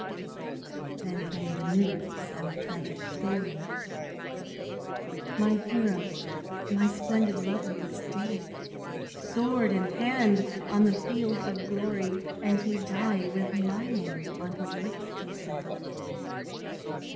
Then came the news and the tragic story: My hero, my splendid lover was dead, Sword in hand on the field of glory, And he died with my name on his lips, they said.